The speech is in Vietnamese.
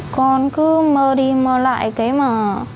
con cứ mơ đi mơ lại cái mà